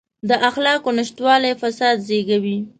د اخلاقو نشتوالی فساد زېږوي.